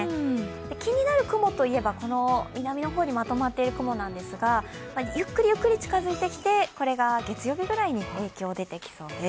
気になる雲といえば、南の方にまとまっている雲なんですが、ゆっくりゆっくり近づいてきて、これが月曜日くらいに影響が出てきそうです。